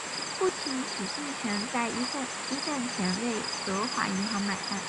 父亲许杏泉在一战前为德华银行买办。